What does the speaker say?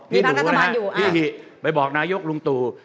หนูนะฮะพี่หิไปบอกนายกลุงตู่